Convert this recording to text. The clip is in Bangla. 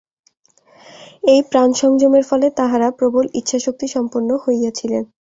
এই প্রাণসংযমের ফলে তাঁহারা প্রবল ইচ্ছাশক্তি-সম্পন্ন হইয়াছিলেন।